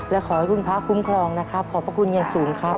และขอให้คุณพระคุ้มครองนะครับขอบพระคุณอย่างสูงครับ